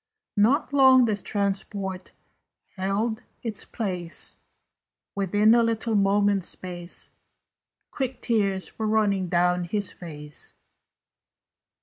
Not long this transport held its place: Within a little moment's space Quick tears were raining down his face.